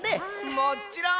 もっちろん！